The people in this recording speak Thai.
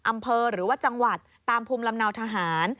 หรือว่าจังหวัดตามภูมิลำเนาทหาร